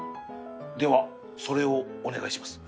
ではそれをお願いします。